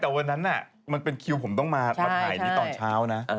แต่วันนั้นมันเป็นคิวผมต้องมาถ่ายนี้ตอนเช้านะ